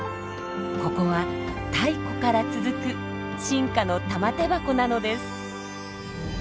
ここは太古から続く進化の玉手箱なのです。